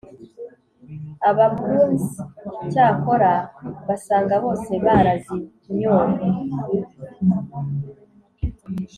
ababrunes cyakora basanga bose barazimyoye